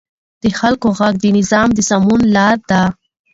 د خلکو غږ د نظام د سمون لار ده